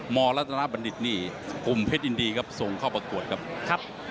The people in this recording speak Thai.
มรัฐนาบรดิษฐ์นี่กลุ่มเพชรอินดีครับส่งเข้าประกวดครับ